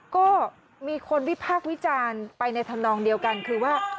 ก็มีคนวิพากษ์วิจารณ์ไปในธรรมนองเดียวกันคือว่า